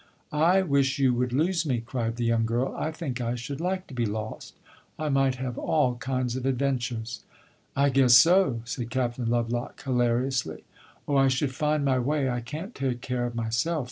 "I wish you would lose me!" cried the young girl. "I think I should like to be lost. I might have all kinds of adventures." "I 'guess' so!" said Captain Lovelock, hilariously. "Oh, I should find my way. I can take care of myself!"